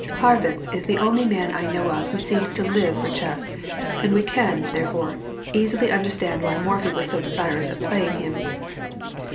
Harrwitz is the only man I know of who seems to live for chess, and we can, therefore, easily understand why Morphy was so desirous of playing him.